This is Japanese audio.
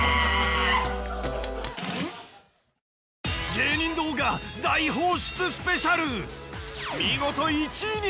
芸人動画大放出スペシャル！